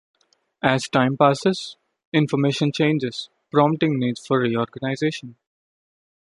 As time passes, information changes, prompting needs for reorganization.